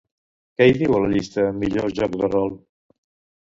Què hi diu a la llista millors jocs de rol?